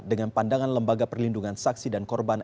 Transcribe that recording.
dengan pandangan lembaga perlindungan saksi dan korban